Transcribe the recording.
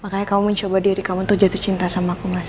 makanya kamu mencoba diri kamu untuk jatuh cinta sama aku mas